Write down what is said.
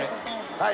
はい。